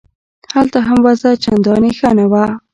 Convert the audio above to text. هلته هم وضع چندانې ښه نه وه.